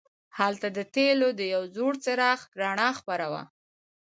هلته د تیلو د یو زوړ څراغ رڼا خپره وه.